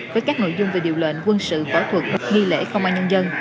với các nội dung về điều lệnh quân sự võ thuật nghi lễ công an nhân dân